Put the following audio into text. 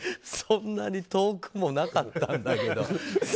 そんなに遠くもなかったんだけど。